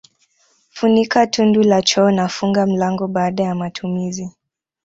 Funika tundu la choo na funga mlango baada ya matumizi